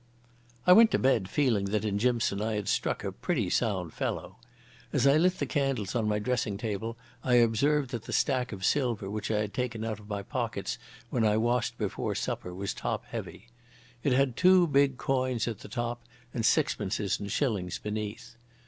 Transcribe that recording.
I went to bed feeling that in Jimson I had struck a pretty sound fellow. As I lit the candles on my dressing table I observed that the stack of silver which I had taken out of my pockets when I washed before supper was top heavy. It had two big coins at the top and sixpences and shillings beneath.